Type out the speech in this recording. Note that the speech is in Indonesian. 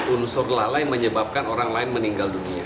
unsur lalai menyebabkan orang lain meninggal dunia